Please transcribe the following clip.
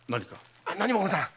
何もござらん！